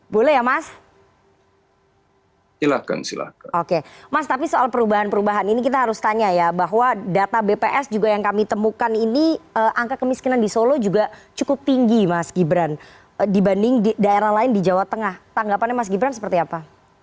boleh ya mas oke mas tapi soal perubahan perubahan ini kita harus tanya ya bahwa data bps juga yang kami temukan ini angka kemiskinan di solo juga cukup tinggi mas gibran dibanding daerah lain di jawa tengah tanggapannya mas gibran seperti apa